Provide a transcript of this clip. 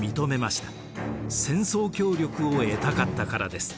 戦争協力を得たかったからです。